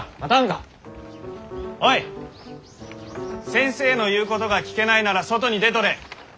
先生の言うことが聞けないなら外に出とれ！